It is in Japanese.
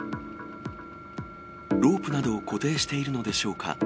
ロープなどを固定しているのでしょうか。